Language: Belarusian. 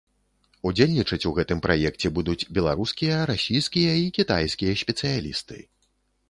Удзельнічаць у гэтым праекце будуць беларускія, расійскія і кітайскія спецыялісты.